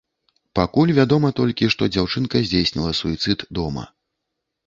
Пакуль вядома толькі, што дзяўчынка здзейсніла суіцыд дома.